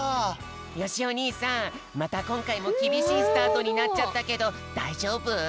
よしお兄さんまたこんかいもきびしいスタートになっちゃったけどだいじょうぶ？